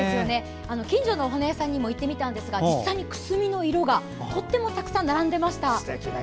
近所のお花屋さんにも行ってみたんですが実際にくすみの色がとってもたくさん並んでいました。